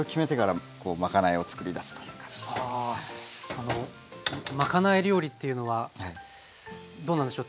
あのまかない料理っていうのはどうなんでしょう